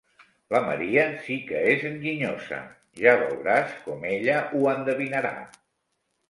La Maria sí que és enginyosa: ja veuràs com ella ho endevinarà.